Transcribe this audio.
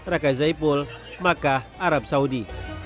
raka zaipul makkah arab saudi